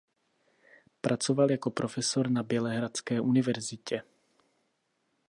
Pracoval jako profesor na Bělehradské univerzitě.